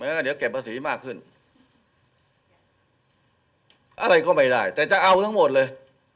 ก็เดี๋ยวเก็บภาษีมากขึ้นอะไรก็ไม่ได้แต่จะเอาทั้งหมดเลย